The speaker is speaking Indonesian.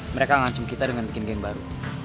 mereka ngancem kita dengan bikin geng baru